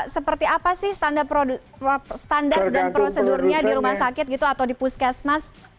seperti apa sih standar dan prosedurnya di rumah sakit gitu atau di puskesmas